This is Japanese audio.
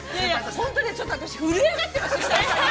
本当にちょっと私、震え上がっています、久々に。